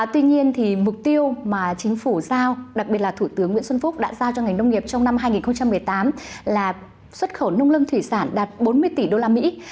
tuy nhiên mục tiêu mà chính phủ giao đặc biệt là thủ tướng nguyễn xuân phúc đã giao cho ngành nông nghiệp trong năm hai nghìn một mươi tám là xuất khẩu nông lâm thủy sản đạt bốn mươi tỷ đô la mỹ